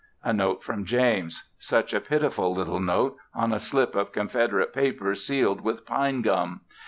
A note from James. Such a pitiful little note, on a slip of Confederate paper sealed with pine gum!